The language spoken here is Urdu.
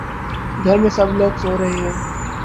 گھر میں سب لوگ سو رہے ہیں